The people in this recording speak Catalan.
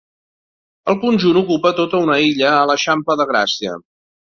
El conjunt ocupa tota una illa a l'eixampla de Gràcia.